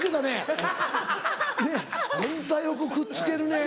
あんたよくくっつけるね。